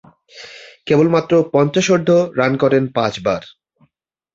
কেবলমাত্র পঞ্চাশোর্ধ্ব রান করেন পাঁচবার।